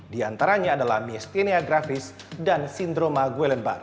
di antaranya adalah myasthenia gravis dan sindroma guellenbach